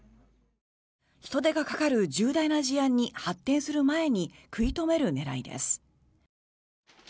人手がかかる重大な事案に発展する前に食い止める狙いです。